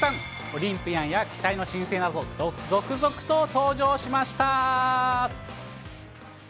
オリンピアンや期待の新星など、続々と登場しました。